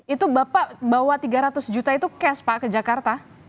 itu bapak bawa tiga ratus juta itu cash pak ke jakarta